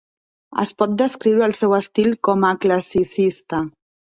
Es pot descriure el seu estil com a classicista.